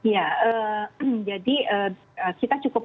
ya jadi kita cukup